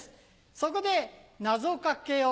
そこで謎掛けを。